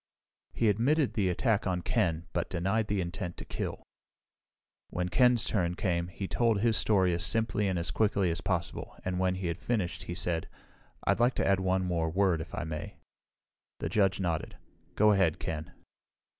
He admitted the attack on Ken, but denied the intent to kill. When Ken's turn came, he told his story as simply and as quickly as possible, and when he had finished he said, "I'd like to add one more word, if I may." The judge nodded. "Go ahead, Ken."